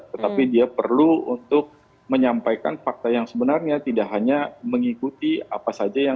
tetapi dia perlu untuk menyampaikan fakta yang sebenarnya tidak hanya mengikuti apa saja yang